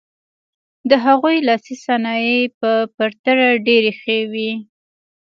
د هغوی لاسي صنایع په پرتله ډېرې ښې وې.